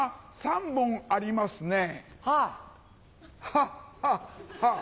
ハッハッハッ。